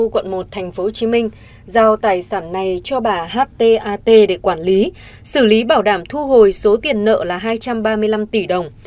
quận một tp hcm giao tài sản này cho bà h t a t để quản lý xử lý bảo đảm thu hồi số tiền nợ là hai trăm ba mươi năm tỷ đồng